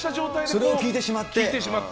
それを聞いてしまって。